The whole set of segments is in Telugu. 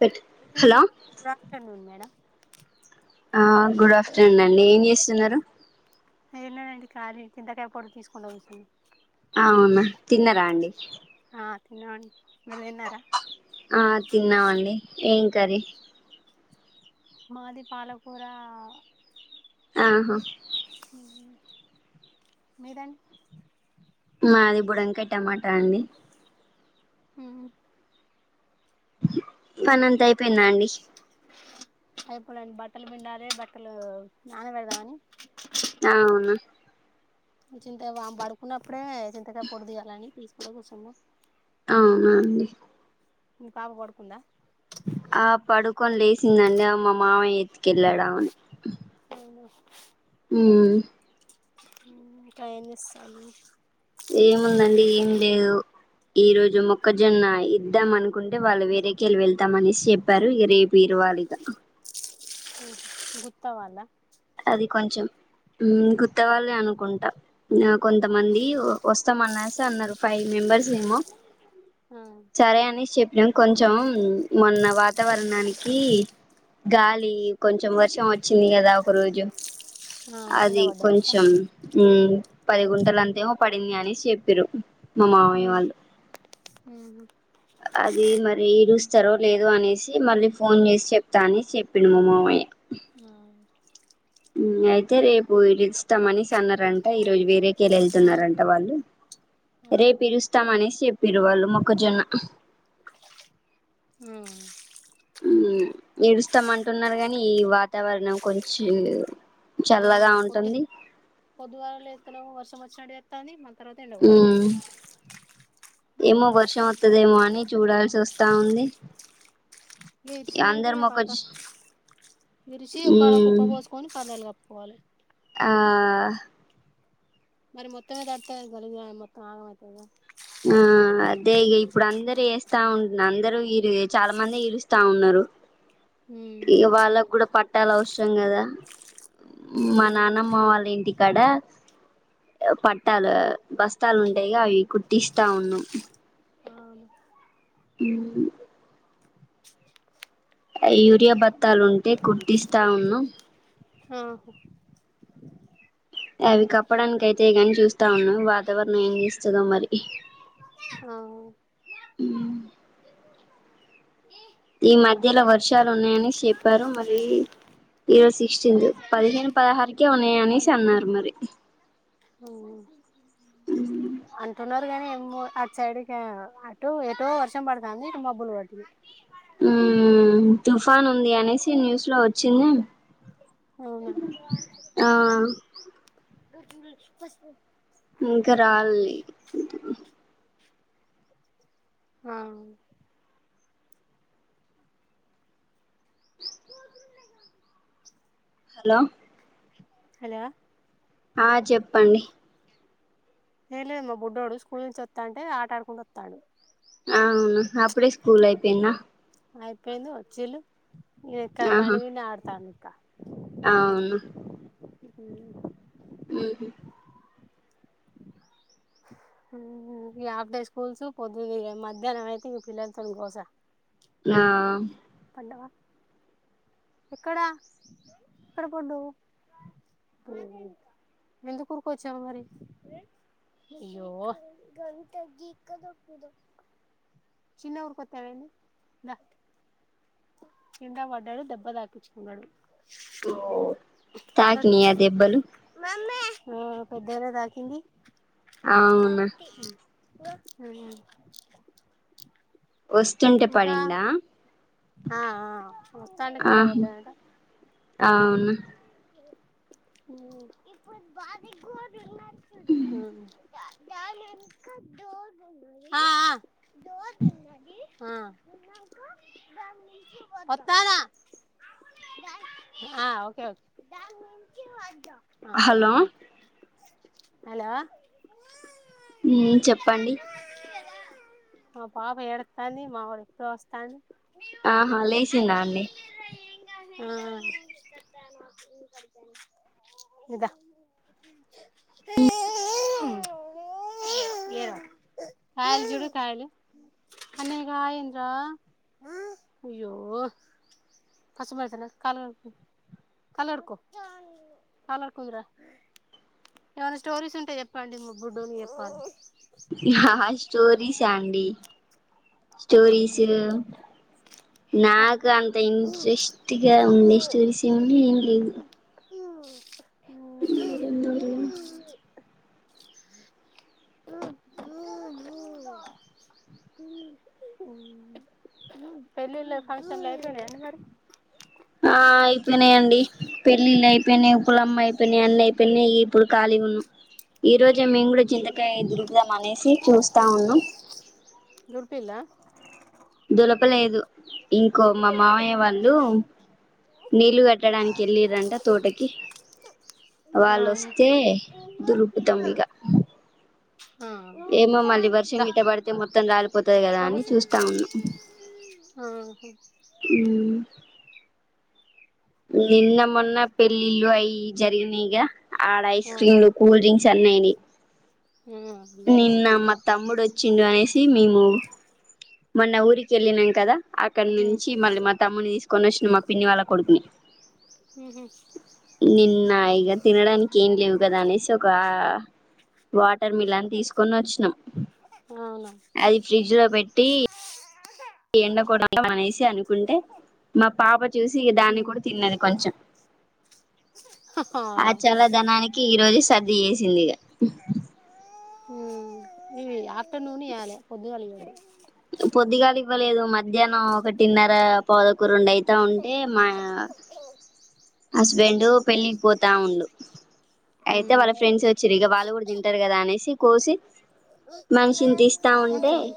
పెట్ గుడ్ హలో ఆఫ్టర్నూన్ మేడం ఆ గుడ్ ఆఫ్టర్నూన్ అండి ఏం చేస్ త్తున్నారు ఏం లేదండి కాలీ ఇంతకాయ పొడి తీసుకుండా కుస్సున్నా అవునా తిన్నరా అండి అడి ఆ తిన్నామండి ఏంకారీ మాది పాలకూర ఆహా హ మైదాని మాది బుడంకాయ్ టమాటా అండి అహ అ పని అంత అయిపోయింద అండి అయిపోలేండి బట్టలు పిండాలి బట్టలు నాన పెడదామని అవునా చింత వామ్ పడుకున్నప్పు ఇప్పుడే చింతకాయ పొడి దీయాలని తీ అ కోసమ అవునండి కాప పడుకుందా ఆ పడుకొని లేసిందండి మా మామయ్య ఎత్తుకెళ్ళాడమని అవును హమ్ కాయని ఇస్తాను ఏముందండి ఏం లేదు ఈ రోజు మొక్కజొన్న ఇద్దామన కుంటే వాళ్ళు వేరేకెళ్ళి వెళ్తామనేసి చెప్పారు ఇక రేపు ఇరువాలిగా గుత్తవాలా అది కొంచెం గుత్తా వాళ్ళి అనుకుంటా కొంతమంది వస్తామన్నారుసి అన్నారు ఫైవ్ మెంబర్స్ ఏమో ఆ చరయాని శషప కొంచెం మొన్న వాతావరణానికి గాలి కొంచెం వర్షం వచ్చింది కదా ప్రోజం ఆ కింద అది పడ్డదంతా కొంచం పది గుంటల అంతేమో పడింది అని చెప్పారు హమ్ అది మరి ఈడుూస్తారో లేదో అనేసి మళ్ళీ ఫోన్ చేసి చెప్తా అని చెప్పిడు మా మామయ్య ఆ అయితే రేపు ఇ ఇస్తామనిష అన్నారంట ఈరోజు వేరే ఆ వెళ్తున్నారంట వాళ్ళు అవునా రేపురుస్తామ అనేసి చెప్పారు వాళ్ళు మొక్కజొన్న అ ఉ ఏడుస్తామంటున్నారు కాని ఈ వాతావరణం కొంచం ఆ పొద్దు పొద్దుగాల లేస్తేనేమో వర్షం వచ్చినట్టు చేత్తాంది మళ్ళా హ ఏమో వర్షం వత్తది ఏమో అని చూడాల్సి వస్తా ఉంది విరిచినంక అందరు ఇక పర్ద మొక్కజొ విరిచి ఒకాడ కుప్ప ఉమ్ పోసుుకొని పర్దాలు కప్పుకో పోల ఆ మరి మొత్తమే దడుత కలిగు మొత్తం ఆగ అవుతుద ఆ అదే ఇ ఇప్పుడు అందరుూ వేస్తా ఉంటు అందరూ ఇరు చాలా మంది ఇరుస్తా ఉన్నారు ఇక వాళ్ళకు కూడా పట్టాలి అవసరం కదా మా నాన్నమ్మ వాళ్ళ ఇంటికి ఇక్కడ పట్టాలు బస్తాలు ఉంటాయి అవి కు ఇస్తా ఉన్నం అవును [unintelligible] యూరియా భత్తాలు ఉంటే కుట్టిస్తా ఉన్నం ఆహ అవి కప్పడానికి అయితయి గాని చూస్తా ఉన్నాం వాతావరణం ఏం చేస్తదో మరి అవు ఈ మధ్యలో వర్షాలు ఉన్నాయని చెప్పారు మరి ఈరోజు సిక్స్టీన్త్ ఆహా పదిహేను పదహారుకే ఉన్నాయి అనేసి అన్నారు మరి ఓ అంటున్నారు అడు కాని అటు సైడ్కి అటో ఎటో వర్షం పడతాంది ఇటు మబ్బులు పట్టినయి ఉ తుఫాన్ ఉంది అనేసి న్యూస్ లో వచ్చింది అవునా ఆ [unintelligible] ఫస్ట్ ఇంకా రాలేద్ ఆ పో హలో హలో ఆ చెప్ చెప్పండి. ఏం లేదు మా బుడ్డోడు స్కూల్ నుంచి వత్తాంటే ఆట ఆడుకుంటూ వత్తాండు. అవును అప్పుడే స్కూల్ అయిపోయిందా. అయిపోయింది వచ్చిళ్ళు. ఇదిక్కడ ఆహా బండి మీదనే ఆడతాండు. కా అవును ఊ ఊహు ఇగ హాఫ్ డే స్కూల్సు. పొద్దున్నే ఇగ మధ్యాహ్నం అయితే ఈ పిల్లలతోన్ గోసా. ఆ ఉండవా ఎక్కడా ఎక్కడ పండూ. ఎందుకు ఉరుకొచ్చావ్ మరి. అయ్యో చిన్నగ ఉరికొత్తే ఏమైంది దా. కింద పడ్డడు దెబ్బ తాకిచ్చుకున్నడు. ఓ తాకినీయట్ దెబ్బలు ఆ పెద్దగనే తాకింది. అవునా కత్తి ఆయా వస్తుంటే పడిండా. ఆ ఆ చూస్తాంటే కింద పడ్డడంటా. అవునా. ఊ హా అ ఆ ఆ వత్తానా. ఆ ఓకే ఓకే హలో అవునా హలో ఉ చెప్పండి మా పాప ఎడతంది మావలు ఇప్పుడే వస్తంది ఆహా లేచిందా అండి ఆ ఇదా ఏ కాయలు చుడు కాయలు అన్నయ్యకు ఆయి అయ్యింది రా అయ్యో కసు బడుతల కాలు కళ్లు కడుక్కో కళ్లు కడుకుందరా ఏమైనా స్టోరీస్ ఉంటే చెప్పండి మా బుడ్డోనికి చెప్పాలి. స్టోరీస్ అండి. స్టోరీస్ రా నాకు అంత ఇంట్రెస్ట్‌గా ఉండే స్టోరీస్ ఏమీ ఉన్నయ ఏం లేవు ఎందో లే పెళ్లిళ్ల ఫంక్షన్ లు అయిపోయినాయ అండి మరి ఆ అయిపోయినాయండి. పెళ్ళిళ్ళు అయిపోయినాయి. ఉప్పుల అమ్మ అయిపోయినాయి. అన్నీ అయిపోయినాయి. ఇప్పులు ఖాళీ ఉన్నాం. ఈ రోజే మేము కూడా చింతకాయ దొరుకుదాం అనేసి చూస్తా ఉన్నాం. దొరుపిల్లా దులపలేదు ఇంకో మా మావయ్య వాళ్ళు నీళ్లు కట్టడానికి ఎళ్లిరంట తోటకి ఆ వాళ్ళు వస్తే దురుకుతం ఇగా ఆ ఏమమ్ మల్ మళ్ వర్షం దా గిట్ట పడితే మొత్తం రాలిపోతది కదా రా అని కూర్చో చూస్తా ఉన్నాం. ఆహా ఉ నిన్న మొన్న పెళ్లి ఇల్లు అయి జరిగినయిగ ఆడ ఐస్ ఆ క్రీమ్లు కూల్ డ్రింక్ చెన్నైని ఆ జలుబు నిన్న మ తమ్ముడు వచ్చి టిిండు అనేసి మేముూ మొన్న ఊరికెళ్లి నాం కదా అక్కడి ఉమ్ నుంచి మళ్ళీ మా తమ్ముని తీస్ కొనుష్మా పిన్ని వాళ్ళ కొడుకుని ఉహు నిన్న ఇగ తినడానికి ఏం లేవు కదా అనేసి ఒక వా టర్ మిలాన్ తీసుకొని వచ్చినాం అవునా అది ఫ్రిడ్జ్ లో పెట్టి దీ ఎండకో అనేసి అనుకుంటే మా పాప చూసి దాన్ని ఉమ్ కూడా తిన్నది కొంచెం హా ఆ చల్లదనానికి ఈ రోజు స చేేసిందిగా హుమ్ ఇవి ఆఫ్టర్ నూనే ఇయలే పొద్దుగాల ఇవ్వరు పొద్దిగాలి ఇవ్వలేదు మధ్యాహ్నం ఒకటిన్నర పదొకు రెండు అయితా ఉంటే మా హస్బెండు పెళ్ళికి పోతా ఉండు అయితే ఉమ్ వాళ్ళ ఫ్రెండ్స్ వచ్ చిరిగా వాళ్ళు గుడా తింటారు కదా అనేసి కోసి మనిషిన్ తీస్ అంతంది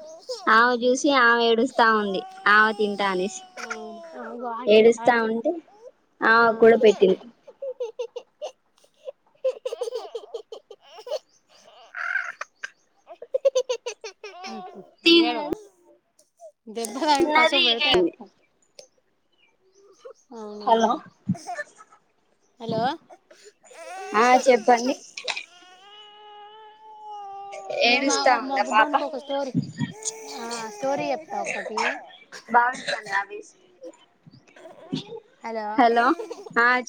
ఆమె చూసి ఆమె ఏడుస్తా ఉంది ఆమె తింటా అనేసి అగో ఆగి చూడు ఏడుస్తా ఆగి చూడు ఉంటే ఆ కూడ పెట్టింది నేను ఒస్ దెబ్బతగిలి పసుపు పెడితే అవునా హలో హలో ఆ చెప్పండి నువ్ మా ఏడుస్తా వా మా ఉందా బుడ్డోనికీ పాప ఒక స్టోరీ ఆ స్టోరీ చెప్తవా ఒకటి ఐస్ హలో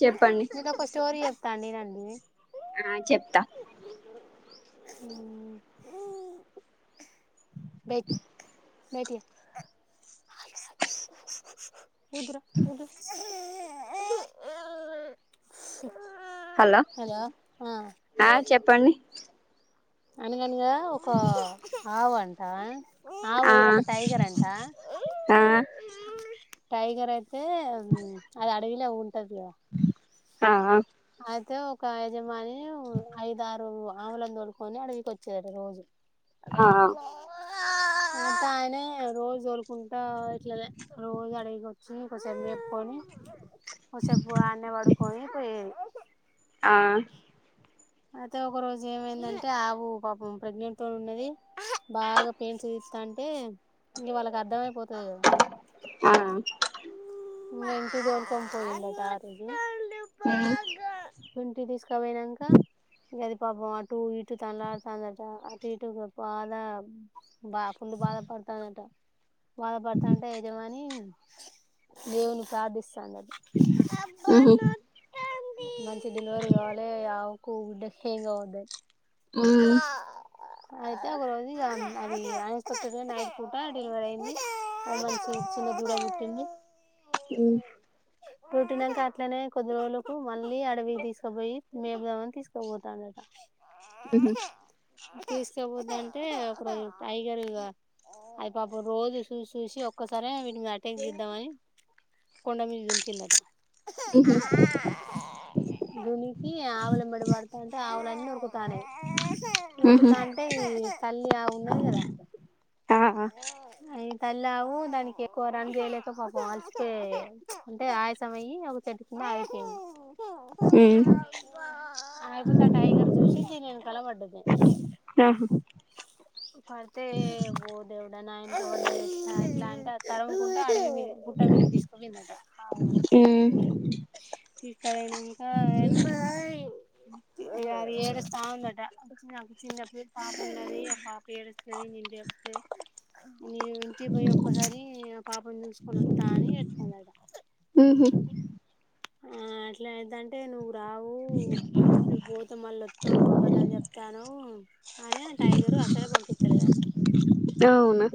చెప్పండి నీకొక స్టోరి తనేనండి ఆ చెప్త మటిే కుదురా కుదురు హలో ఆ చెప్పండి అనగనగా ఒకా ఆవ్ అంటా ఆవు ఆ ఒక టైగర్ అంట ఆ టైగరై ఐతే హుమ్ అది అడివిలో ఉన్ ఉంటది గదా ఆ ఆ అయితే ఒక యజమాని హు ఐద ఆరు ఆవులను తోడుకొని అడవికి వచ్చాడు రోజు అ ఆ అంత ఆయన రోజు తోలుకుంటా ఇట్లా రోజు అడిగొచ్చి ఒకసారి చెప్పుకొని కోసేపు అన్నే పడుకోని పోయేది ఆ అయితే ఒక రోజు ఏమైందంటే ఆవు పాపం ప్రెగ్నెంట్ తో ఉన్నది బాగా పెయిన్ చూదిస్తా అంటే ఇక వాళ్ళకి అర్ ఆ వెనక్కి తోలుకొని పోయిండట అటికి ఆ ఇంటి తీసుకు కుక్క పోయనంక అది పాపం అటు ఇటు తండ్లడి తండ్లడి అటు ఇటు [unintelligible] బాగా పుల్ బాధపడతందట వాళ్ళ పడుతంటే యజమాని దేవున్నీ ప్రార్థిస్తూ [unintelligible] మ్మ్ ఆది మంచి డెలివర్ కావాలి ఆవకు బిడ్డకి ఏం కావద్దాని మ్మ్ అయితే ఒక రోజు ఇగ నైట్ పూట డెలివరీ అయింది చిన్న దూడ పట్టింది హు పుట్టినాక అట్లనే కొద్ది రోజులకు మళ్ళీ అడవి తీసుకుపోయి మేపిదామని తీసుకోపోతాండట అ తీసుకోపోద్దంటే ఒకరు టైగర్ అది పాపం రోజు చూసి చూసి ఒక్కసరే ను్ అటాక్ చేద్దామని కొండా మీద ఆట మ్మ్ దునికి ఆవుల మెడ పడుతాంటే ఆవులన్ని ఉరుకుతన్నాయి మ్మ్ ఉరుకుతాంటే ఇగా తల్లి ఆవున్నాది కదా ఆ అయి తల్లి ఆవు దానికి ఎక్కువ రన్ చేయలేక పాపం అల్చపో అంటే ఆయసం అయి ఒక చెట్టు కింద ఆగిపోయింది మ్మ్ అగీపోతే ఆ టైగర్ చూసి దీని వెనకాల పడ్డది ఆహా పడితే ఓ దేవుడనాయనా ఇట్లా అంటే తరూము కుంట గుట్ట మీద తీసుకోపోయిందట అవును మ్మ్ తీసుకుపోయినంక ఆది ఏడుస్త ఉందట చిన్న పేరు పాప ఉండది పాప ఎడుస్తాధి [unintelligible] నను ఇంటికి పోయి ఒక్కసారి పాపని చూసుకొని వస్తా అని ఏడుస్తందట ఉహు ఆ అట్లాదంటే నువ్వు రావు నువ్వు పోతే మళ్ వత్తవ్ నువ్వు అబద్ధాలు చెప్తాన్నవ్ అనే టైగరు అసలే పంపితలేద అవునా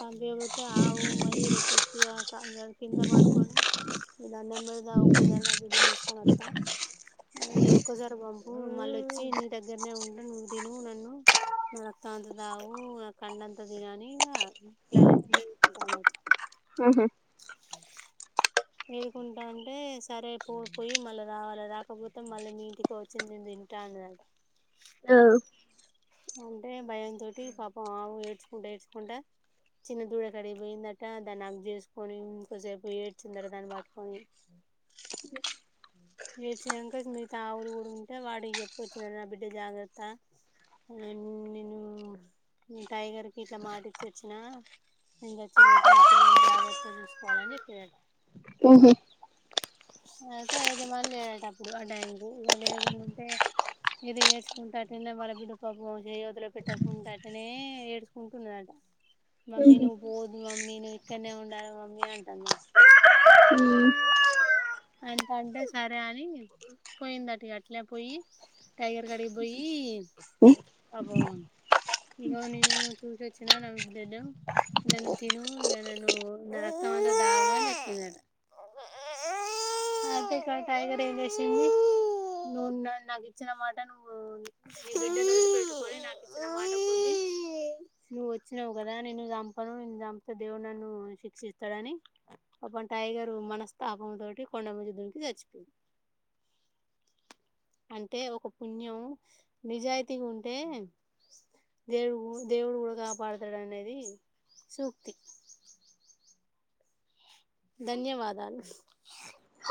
పంపించపోతే ఆవు మరి ర కింద పండుకొని నిక దండం పేడదా ఒక్కసారి నా బిడ్డ చూసుకొని వత్త ఇ ఒక్కసారి బ మళ్ళ వచ్చి నీ దగ్గరనే ఉండ నువ్వు తిను నన్ను నా రక్తంత దావు నా కండంత తినని ఇలానేంటా అన్నమాట ఉమ్మ్ క ఎడుకుంటా అంటే సరే పోపోయి మళ్ళీ రావాలి రాకపోతే మళ్ళీ మీ ఇంటికి వచ్చి నిన్ను తింటా అన్నదట ఆ అంటే భయంతోటి పాపం ఆవు ఏడ్చుకుంటూ ఏడ్చుకుంటా చిన్న దూడ కడిగిపోయిందట దాన్ని హాగ్ చేసుకొని ఇంకోసేపు వచ్చి దాన్ని పట్టుకొని ఏడ్యాంకల్స్ మీ తావులు కూడా ఉంటే వాడు చెప్పు వచ్చ నా బిడ్డ జాగ్రత్త నేను టైగర్ కి ఇట్లా మాటిచ్చి వచ్చినా నేను చచ్చిపోతే నా పిల్లని జాగ్రత్త చూసుకోవాలని చెప్పిందట హమ్ హు అయితే ఏది మళ్ళీ లేలట అప్పుడు ఆ టైం కు ఇ లేకుంటే ఏద ఏడ్చుకుంటటునే వాళ్ళ బిడ్డ పాపంయోతిలో పెట్టకుడాటునే ఏడ్చుకుంటున్నదట మమ్మీ నువ్వు పోదు మమ్మీ నువ్వు ఇక్కడనే ఉండాల మమ్మీ అంటుందంట అంతంటే సరే అని పోయింది అటు అట్లే పోయి టైగర్ కడికి పోయి అబ ఇగ నేను చూసిచ్చినా ను దిడం నన్ను తిను ఇగా న రక్తం అ ఇ టైగర్ ను్ నాకు ఇచ్చిన మాట నువవు నువ్వు వచ్చినావు కదా నేను చంపను న చంపితే దేవుడు నన్ను శిక్షిస్తాడని టైగరు మనస్తాపం తోటి కొండ మీద నుంచి దుకి చచ్చిపోయింది అంటే ఒక పుణ్యం నిజాయితీగా ఉంటే దేవు దేవుడు కూడా కాపాడుతాడ అనేది సూక్తి ధన్యవాదాలు హలో